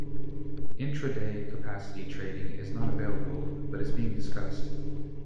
Intraday capacity trading is not available, but is being discussed.